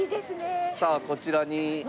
さあこちらに。